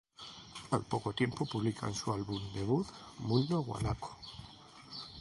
Al poco tiempo publican su álbum debut, "Mundo guanaco".